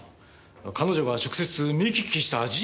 彼女が直接見聞きした事実をですね。